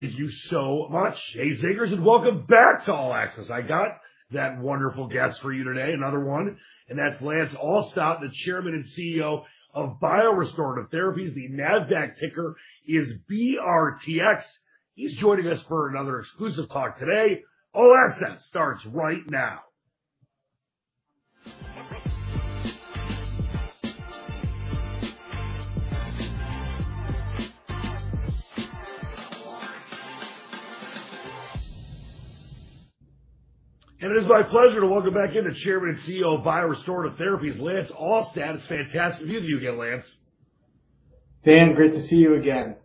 Thank you so much, Jay Zagers, and welcome back to All Access. I got that wonderful guest for you today, another one, and that's Lance Alstodt, the Chairman and CEO of BioRestorative Therapies. The NASDAQ ticker is BRTX. He's joining us for another exclusive talk today. All Access starts right now. It is my pleasure to welcome back in the Chairman and CEO of BioRestorative Therapies, Lance Alstodt. It's fantastic to be with you again, Lance. Dan, great to see you again.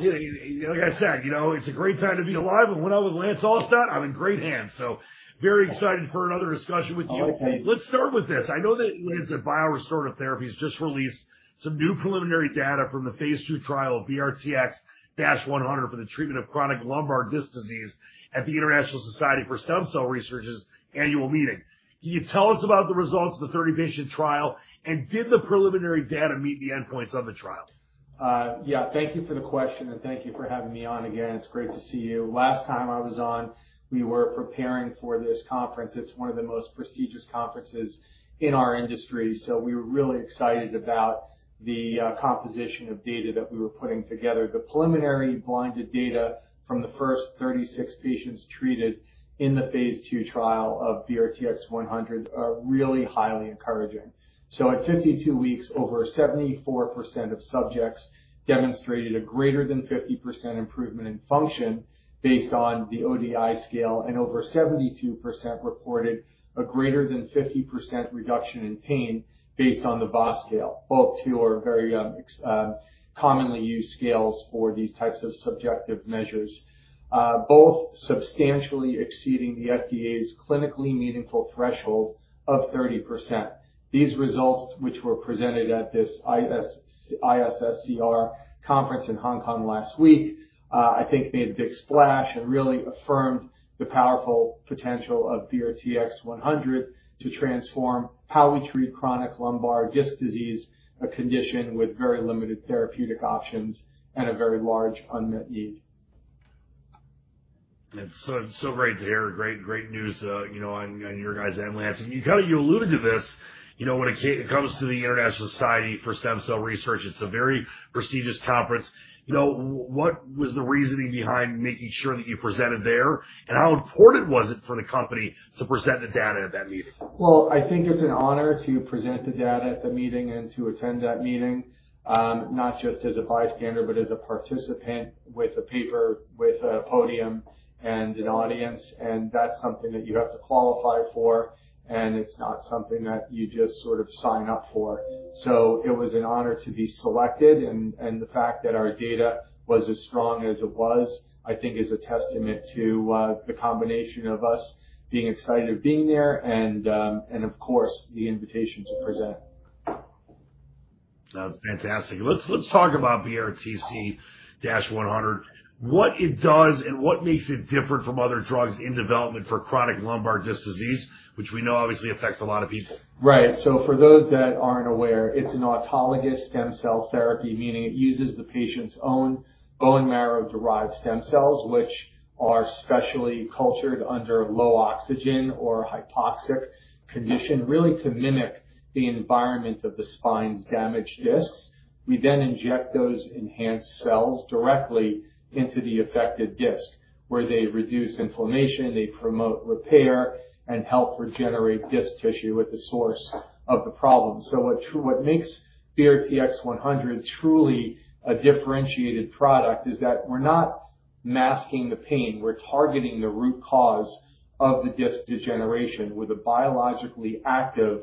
Like I said, you know, it's a great time to be alive. And when I was Lance Alstodt, I'm in great hands. So very excited for another discussion with you. Let's start with this. I know that Lance at BioRestorative Therapies just released some new preliminary data from the phase two trial of BRTX-100 for the treatment of chronic lumbar disc disease at the International Society for Stem Cell Research's annual meeting. Can you tell us about the results of the 30-patient trial? And did the preliminary data meet the endpoints of the trial? Yeah, thank you for the question. Thank you for having me on again. It's great to see you. Last time I was on, we were preparing for this conference. It's one of the most prestigious conferences in our industry. We were really excited about the composition of data that we were putting together. The preliminary blinded data from the first 36 patients treated in the phase two trial of BRTX-100 are really highly encouraging. At 52 weeks, over 74% of subjects demonstrated a greater than 50% improvement in function based on the ODI scale, and over 72% reported a greater than 50% reduction in pain based on the VAS scale. Both are very commonly used scales for these types of subjective measures, both substantially exceeding the FDA's clinically meaningful threshold of 30%. These results, which were presented at this ISSCR conference in Hong Kong last week, I think made a big splash and really affirmed the powerful potential of BRTX-100 to transform how we treat chronic lumbar disc disease, a condition with very limited therapeutic options and a very large unmet need. Great to hear. Great, great news, you know, on your guys and Lance. And you kind of alluded to this, you know, when it comes to the International Society for Stem Cell Research, it's a very prestigious conference. You know, what was the reasoning behind making sure that you presented there and how important was it for the company to present the data at that meeting? I think it's an honor to present the data at the meeting and to attend that meeting, not just as a bystander, but as a participant with a paper, with a podium and an audience. That's something that you have to qualify for. It's not something that you just sort of sign up for. It was an honor to be selected. The fact that our data was as strong as it was, I think, is a testament to the combination of us being excited of being there and, of course, the invitation to present. That's fantastic. Let's talk about BRTX-100, what it does and what makes it different from other drugs in development for chronic lumbar disc disease, which we know obviously affects a lot of people. Right. For those that aren't aware, it's an autologous stem cell therapy, meaning it uses the patient's own bone marrow-derived stem cells, which are specially cultured under low oxygen or hypoxic condition, really to mimic the environment of the spine's damaged discs. We then inject those enhanced cells directly into the affected disc, where they reduce inflammation, they promote repair, and help regenerate disc tissue at the source of the problem. What makes BRTX-100 truly a differentiated product is that we're not masking the pain. We're targeting the root cause of the disc degeneration with a biologically active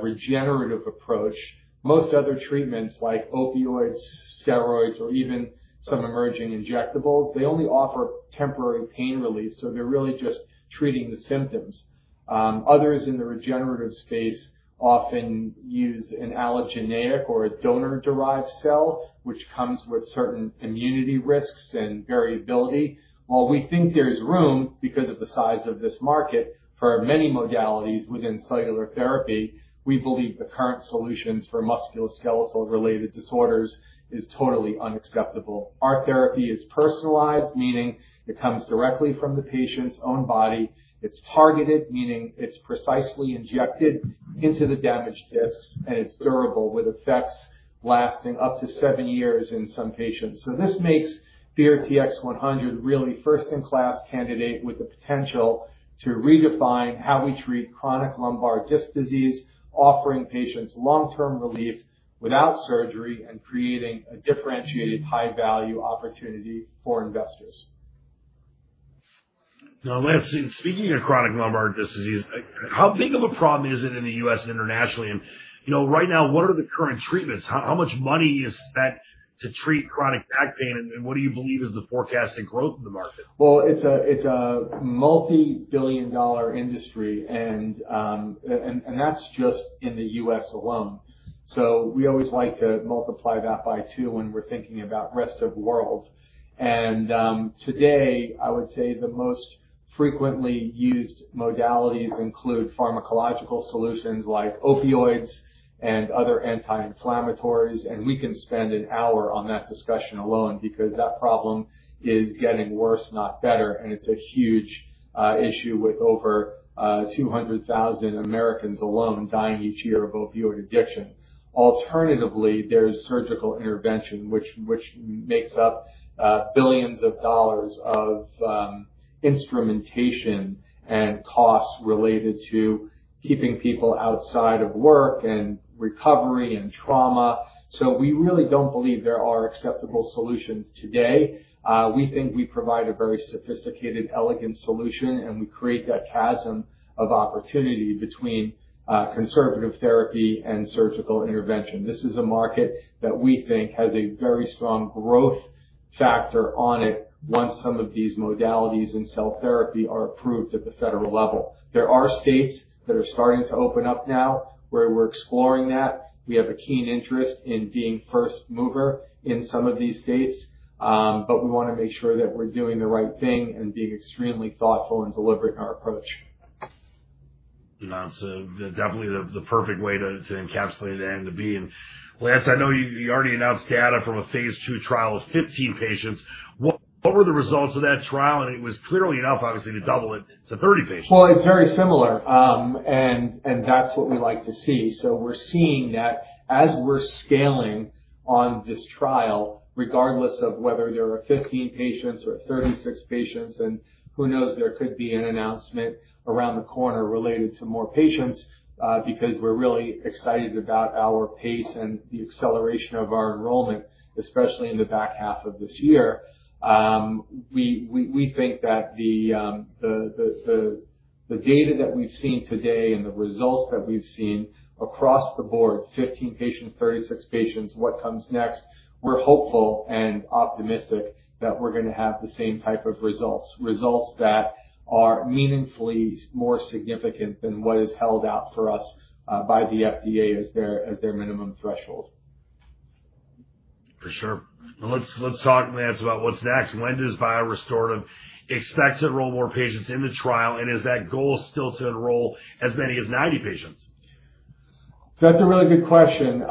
regenerative approach. Most other treatments, like opioids, steroids, or even some emerging injectables, only offer temporary pain relief. They're really just treating the symptoms. Others in the regenerative space often use an allogeneic or a donor-derived cell, which comes with certain immunity risks and variability. While we think there's room, because of the size of this market for many modalities within cellular therapy, we believe the current solutions for musculoskeletal-related disorders are totally unacceptable. Our therapy is personalized, meaning it comes directly from the patient's own body. It's targeted, meaning it's precisely injected into the damaged discs, and it's durable with effects lasting up to seven years in some patients. This makes BRTX-100 really a first-in-class candidate with the potential to redefine how we treat chronic lumbar disc disease, offering patients long-term relief without surgery and creating a differentiated high-value opportunity for investors. Now, Lance, speaking of chronic lumbar disc disease, how big of a problem is it in the U.S. internationally? You know, right now, what are the current treatments? How much money is spent to treat chronic back pain? What do you believe is the forecasted growth in the market? It's a multi-billion dollar industry, and that's just in the U.S. alone. We always like to multiply that by two when we're thinking about the rest of the world. Today, I would say the most frequently used modalities include pharmacological solutions like opioids and other anti-inflammatories. We can spend an hour on that discussion alone because that problem is getting worse, not better. It's a huge issue with over 200,000 Americans alone dying each year of opioid addiction. Alternatively, there's surgical intervention, which makes up billions of dollars of instrumentation and costs related to keeping people outside of work and recovery and trauma. We really don't believe there are acceptable solutions today. We think we provide a very sophisticated, elegant solution, and we create that chasm of opportunity between conservative therapy and surgical intervention. This is a market that we think has a very strong growth factor on it once some of these modalities and cell therapy are approved at the federal level. There are states that are starting to open up now where we're exploring that. We have a keen interest in being first mover in some of these states, but we want to make sure that we're doing the right thing and being extremely thoughtful and deliberate in our approach. That's definitely the perfect way to encapsulate and to be. Lance, I know you already announced data from a phase two trial of 15 patients. What were the results of that trial? It was clearly enough, obviously, to double it to 30 patients. It is very similar. That is what we like to see. We are seeing that as we are scaling on this trial, regardless of whether there are 15 patients or 36 patients, and who knows, there could be an announcement around the corner related to more patients, because we are really excited about our pace and the acceleration of our enrollment, especially in the back half of this year. We think that the data that we have seen today and the results that we have seen across the board, 15 patients, 36 patients, what comes next, we are hopeful and optimistic that we are going to have the same type of results, results that are meaningfully more significant than what is held out for us by the FDA as their minimum threshold. For sure. Let's talk, Lance, about what's next. When does BioRestorative expect to enroll more patients in the trial? Is that goal still to enroll as many as 90 patients? That's a really good question.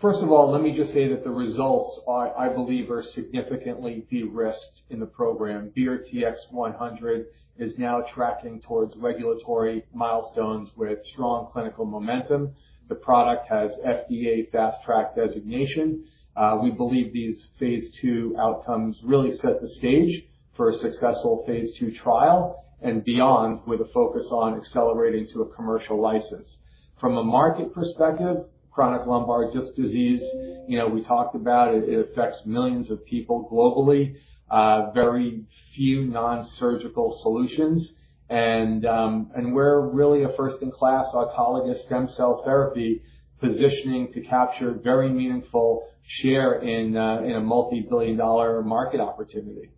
First of all, let me just say that the results, I believe, are significantly de-risked in the program. BRTX-100 is now tracking towards regulatory milestones with strong clinical momentum. The product has FDA Fast Track designation. We believe these phase two outcomes really set the stage for a successful phase two trial and beyond with a focus on accelerating to a commercial license. From a market perspective, chronic lumbar disc disease, you know, we talked about it. It affects millions of people globally, very few non-surgical solutions. We're really a first-in-class autologous stem cell therapy positioning to capture a very meaningful share in a multi-billion dollar market opportunity.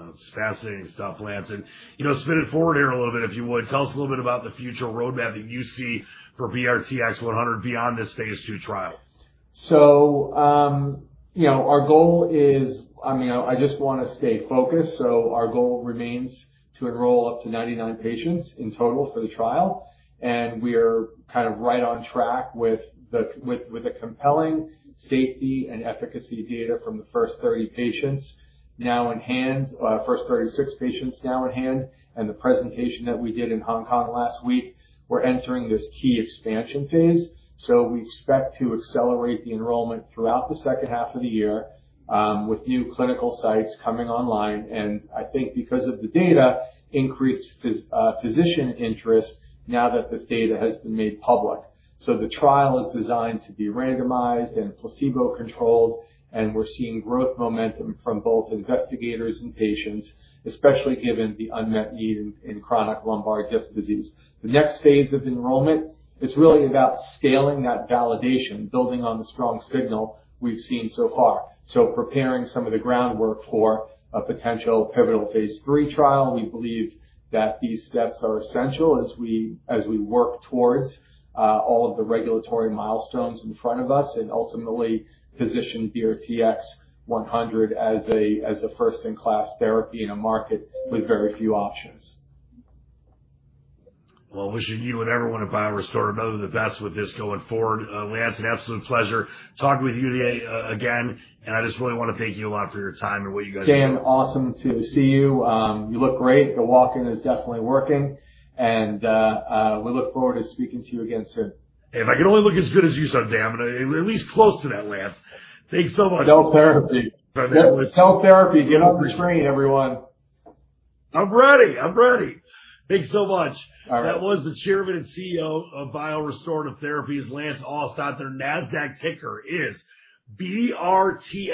That's fascinating stuff, Lance. You know, spin it forward here a little bit, if you would. Tell us a little bit about the future roadmap that you see for BRTX-100 beyond this phase two trial. You know, our goal is, I mean, I just want to stay focused. Our goal remains to enroll up to 99 patients in total for the trial. We are kind of right on track with the compelling safety and efficacy data from the first 30 patients now in hand, first 36 patients now in hand. The presentation that we did in Hong Kong last week, we're entering this key expansion phase. We expect to accelerate the enrollment throughout the second half of the year with new clinical sites coming online. I think because of the data, increased physician interest now that this data has been made public. The trial is designed to be randomized and placebo-controlled. We're seeing growth momentum from both investigators and patients, especially given the unmet need in chronic lumbar disc disease. The next phase of enrollment, it's really about scaling that validation, building on the strong signal we've seen so far. Preparing some of the groundwork for a potential pivotal phase three trial. We believe that these steps are essential as we work towards all of the regulatory milestones in front of us and ultimately position BRTX-100 as a first-in-class therapy in a market with very few options. I wish you and everyone at BioRestorative best with this going forward. Lance, an absolute pleasure talking with you today again. I just really want to thank you a lot for your time and what you guys did. Dan, awesome to see you. You look great. The walk-in is definitely working. We look forward to speaking to you again soon. If I can only look as good as you, so damn it, at least close to that, Lance. Thanks so much. Cell therapy. Get up the screen, everyone. I'm ready. I'm ready. Thanks so much. That was the Chairman and CEO of BioRestorative Therapies, Lance Alstodt. Their Nasdaq ticker is BRTX.